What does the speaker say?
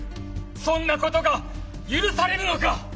そんなことが許されるのか！